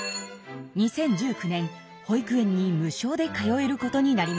２０１９年保育園に無償で通えることになりました。